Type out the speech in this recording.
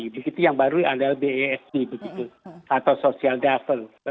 begitu yang baru adalah bsd begitu atau social devil